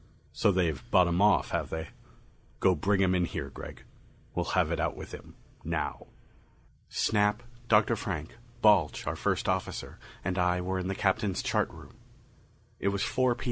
"So they've bought him off, have they? Go bring him in here, Gregg. We'll have it out with him now." Snap, Dr. Frank, Balch, our first officer, and I were in the Captain's chart room. It was four P.